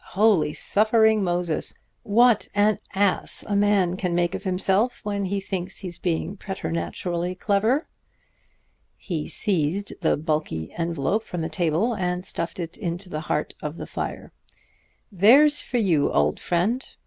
Holy, suffering Moses! What an ass a man can make of himself when he thinks he's being preternaturally clever!" He seized the bulky envelop from the table, and stuffed it into the heart of the fire. "There's for you, old friend!